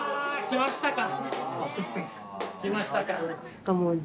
きましたか。